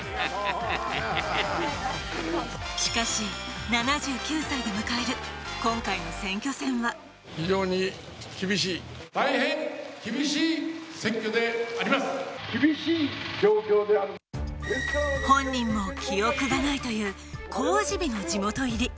しかし、７９歳で迎える今回の選挙戦は本人も、記憶がないという公示日の地元入り。